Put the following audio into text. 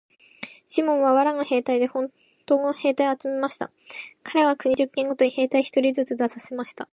シモンは藁の兵隊でほんとの兵隊を集めました。かれは国中にふれを出して、家十軒ごとに兵隊一人ずつ出させました。